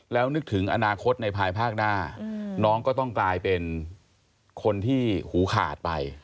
แล้วนึกถึงอนาคตในภายภาคหน้าน้องก็ต้องกลายเป็นคนที่หูขาดไป